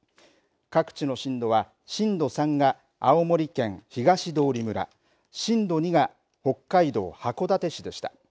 各地の震度は、震度３が青森県東通村震度２が北海道函館市でした。